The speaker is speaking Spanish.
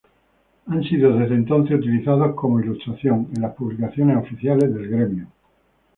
Han sido desde entonces utilizados como ilustración, en las publicaciones oficiales del gremio.